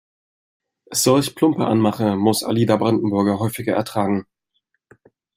Solch plumpe Anmache muss Alida Brandenburger häufiger ertragen.